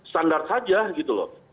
standar saja gitu loh